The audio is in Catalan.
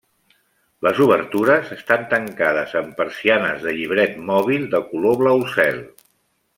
Les obertures estan tancades amb persianes de llibret mòbil de color blau cel.